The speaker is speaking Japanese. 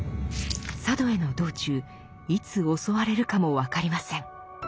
佐渡への道中いつ襲われるかも分かりません。